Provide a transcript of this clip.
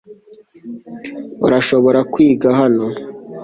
urashobora kwiga hano